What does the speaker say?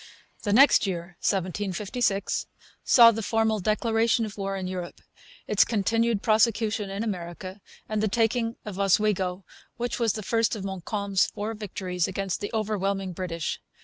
The next year, 1756, saw the formal declaration of war in Europe, its continued prosecution in America, and the taking of Oswego, which was the first of Montcalm's four victories against the overwhelming British.